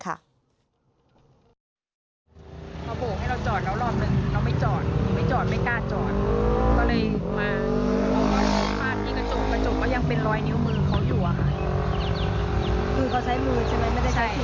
เขาโบกให้เราจอดแล้วรอบหนึ่งเราไม่จอดไม่จอดไม่กล้าจอด